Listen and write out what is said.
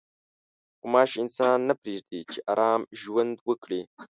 غوماشې انسان نه پرېږدي چې ارام ژوند وکړي.